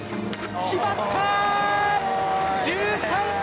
決まった！